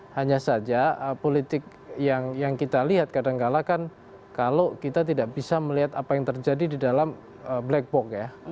hanya saja politik yang kita lihat kadangkala kan kalau kita tidak bisa melihat apa yang terjadi di dalam black box ya